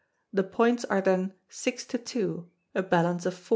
The Points are then 6 to 2 a balance of 4.